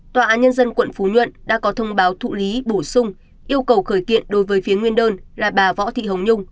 tòa án nhân dân quận phú nhuận đã có thông báo thụ lý bổ sung yêu cầu khởi kiện đối với phía nguyên đơn là bà võ thị hồng nhung